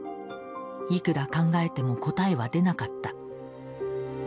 いくら考えても答えは出なかった。